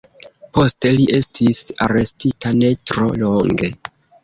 Poste li estis arestita ne tro longe.